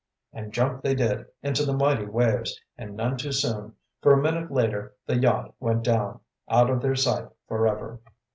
And jump they did, into the mighty waves, and none too soon, for a minute later the yacht went down, out of their sight forever.